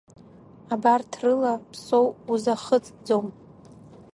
Абарҭ рыла Ԥсоу узахысӡом.